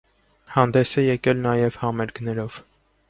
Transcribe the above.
Հանդես է եկել նաև համերգներով։